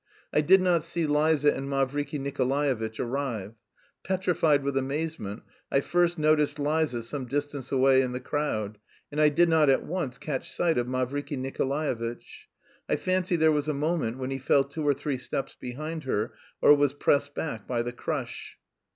I did not see Liza and Mavriky Nikolaevitch arrive. Petrified with amazement, I first noticed Liza some distance away in the crowd, and I did not at once catch sight of Mavriky Nikolaevitch. I fancy there was a moment when he fell two or three steps behind her or was pressed back by the crush.